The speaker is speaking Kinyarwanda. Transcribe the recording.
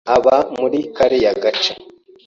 Aba muri kariya gace.